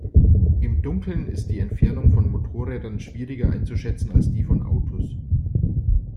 Im Dunkeln ist die Entfernung von Motorrädern schwieriger einzuschätzen, als die von Autos.